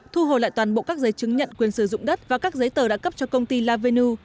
thu hồi lại toàn bộ các giấy chứng nhận quyền sử dụng đất và các giấy tờ đã cấp cho công ty lavenu